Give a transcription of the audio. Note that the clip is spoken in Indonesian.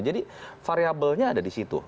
jadi variabelnya ada di situ